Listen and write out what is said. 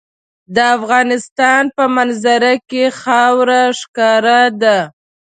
د افغانستان په منظره کې خاوره ښکاره ده.